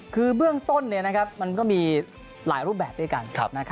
คือเบื้องต้นมันก็มีหลายรูปแบบด้วยกัน